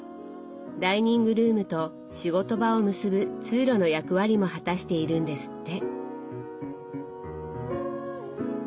ダイニングルームと仕事場を結ぶ通路の役割も果たしているんですって。